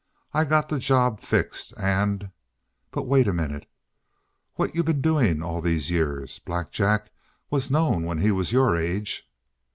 I got the job fixed and But wait a minute. What you been doing all these years? Black Jack was known when he was your age!"